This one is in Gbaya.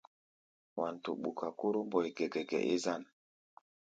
Wanto ɓuka Kóro Mbóe gɛgɛgɛ é zân.